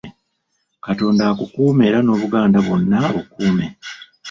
Katonda akukume era n’Obuganda bwonna abukuume.